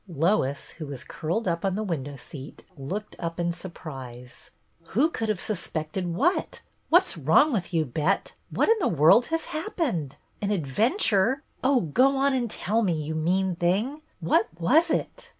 Lois, who was curled up on the window seat, looked up in surprise. "Who could have suspected what.? What 's wrong with you. Bet ? What in the world has happened.? An adventure.? Oh, go on and tell me, you mean thing. What was it